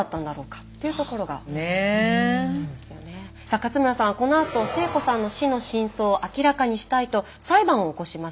さあ勝村さんはこのあと星子さんの死の真相を明らかにしたいと裁判を起こします。